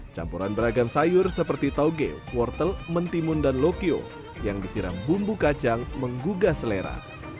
campuran beragam sayur seperti tauge wortel mentimun dan lokyo yang disiram bumbu kacang menggugah selera